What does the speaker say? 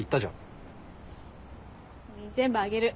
全部あげる。